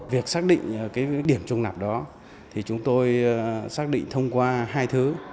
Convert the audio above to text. việc xác định điểm trung lập đó chúng tôi xác định thông qua hai thứ